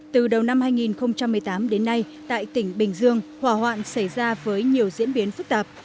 từ đầu năm hai nghìn một mươi tám đến nay tại tỉnh bình dương hỏa hoạn xảy ra với nhiều diễn biến phức tạp